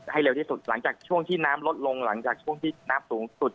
ให้เร็วที่สุดหลังจากช่วงที่น้ำลดลงหลังจากช่วงที่น้ำสูงสุด